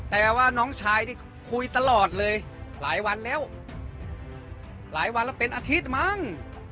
แต่ว่าน้องชายนี่คุยตลอดเลยหลายวันแล้วหลายวันแล้วเป็นอาทิตย์มั้ง